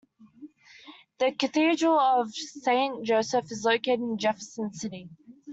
The Cathedral of Saint Joseph is located in Jefferson City.